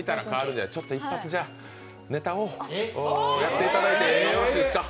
じゃ、一発ネタをやっていただいてよろしいですか？